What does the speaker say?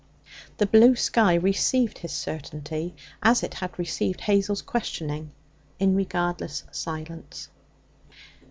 The blue sky received his certainty, as it had received Hazel's questioning, in regardless silence.